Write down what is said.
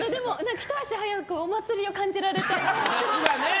ひと足早くお祭りが感じられて。